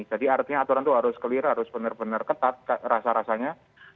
jadi artinya aturan itu harus clear harus benar benar ketat rasa rasanya